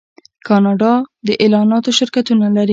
کاناډا د اعلاناتو شرکتونه لري.